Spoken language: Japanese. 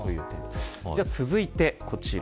続いてこちら。